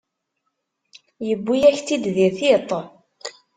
Yewwi-yak-tt-id di tiṭ.